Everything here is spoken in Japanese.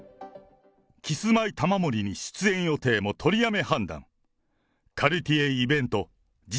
キスマイ・玉森に出演予定も取りやめ判断。